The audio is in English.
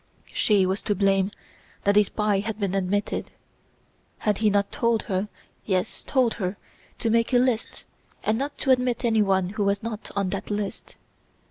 She was to blame that a spy had been admitted. Had he not told her, yes, told her to make a list, and not to admit anyone who was not on that list?